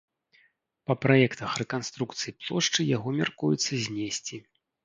Па праектах рэканструкцыі плошчы яго мяркуецца знесці.